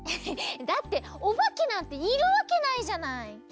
だっておばけなんているわけないじゃない。